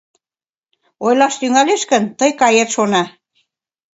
Ойлаш тӱҥалеш гын, тый кает, шона.